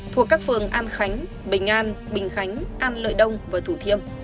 thuộc các phường an khánh bình an bình khánh an lợi đông và thủ thiêm